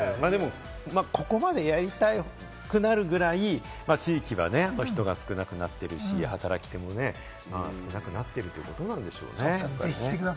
ここまでやりたくなるぐらい、地域は人が少なくなっているし、働き手も少なくなっているということなんでしょうね。